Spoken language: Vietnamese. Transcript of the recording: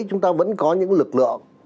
chúng ta vẫn có những lực lượng